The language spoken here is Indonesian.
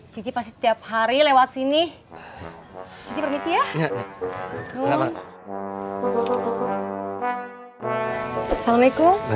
cici pasti setiap hari lewat sini